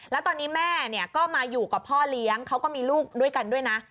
แล้วตอนนี้แม่ก็มาอยู่กับพ่อเลี้ยงเขาก็มีลูกด้วยกันด้วยนะ